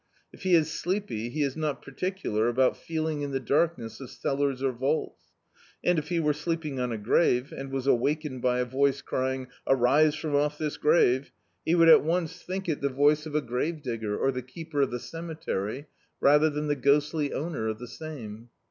If he is sleepy he is not particular about feeling in the darkness of cellars or vaults; and, if he were sleeping on a grave, and was awakened by a voice crying — "Arise from off this grave," he would at (mce think it the voice (»87] D,i.,.db, Google The Autobiography of a Super Tramp of a grave digger, or the keeper of the cemetery, rather than the ^ostly owner of the same.